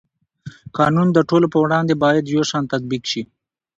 قانون د ټولو په وړاندې باید یو شان تطبیق شي.